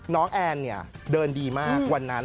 น้องแอนเดินดีมากวันนั้น